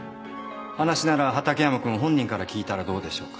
話なら畠山君本人から聞いたらどうでしょうか。